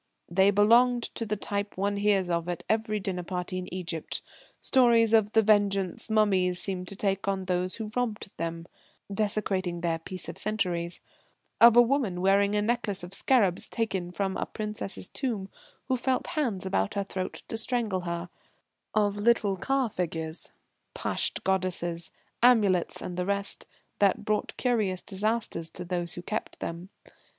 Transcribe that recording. They belonged to the type one hears at every dinner party in Egypt stories of the vengeance mummies seem to take on those who robbed them, desecrating their peace of centuries; of a woman wearing a necklace of scarabs taken from a princess's tomb, who felt hands about her throat to strangle her; of little Ka figures, Pasht goddesses, amulets and the rest, that brought curious disaster to those who kept them.